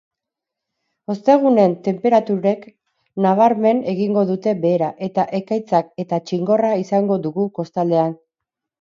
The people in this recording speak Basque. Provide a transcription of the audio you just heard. Ostegunen tenperaturek nabarmen egingo dute behera eta ekaitza eta txingorra izango dugu kostaldean.